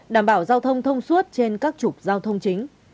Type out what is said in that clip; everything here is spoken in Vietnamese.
đảm bảo giao thông thông suốt trên các trục giao thông chính